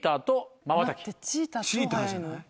チーターじゃない？